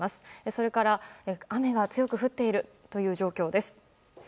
それから、雨が強く降っているという状況です。